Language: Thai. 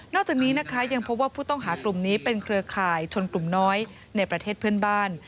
จากนี้นะคะยังพบว่าผู้ต้องหากลุ่มนี้เป็นเครือข่ายชนกลุ่มน้อยในประเทศเพื่อนบ้าน